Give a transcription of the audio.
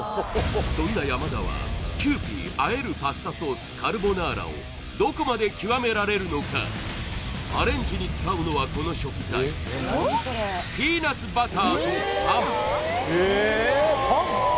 そんな山田はキユーピーあえるパスタソースカルボナーラをどこまで極められるのかアレンジに使うのはこの食材えっ？